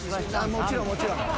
もちろんもちろん。